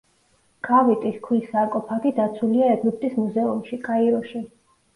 კავიტის ქვის სარკოფაგი დაცულია ეგვიპტის მუზეუმში, კაიროში.